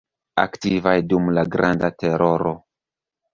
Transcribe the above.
Aktivaj dum la Granda teroro.